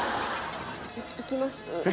行きます？